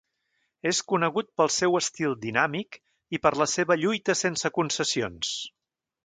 És conegut pel seu estil dinàmic i per la seva lluita sense concessions.